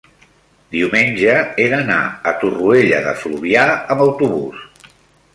diumenge he d'anar a Torroella de Fluvià amb autobús.